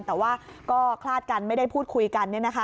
แต่ว่าก็คลาดกันไม่ได้พูดคุยกัน